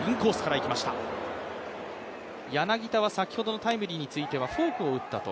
柳田は先ほどのタイムリーについてはフォークを打ったと。